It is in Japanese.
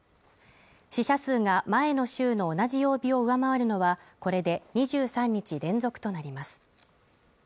死者数が前の週の同じ曜日を上回るのはこれで２３日連続となります。